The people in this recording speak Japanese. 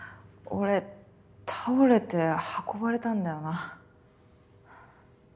俺倒れて運ばれたんだよな？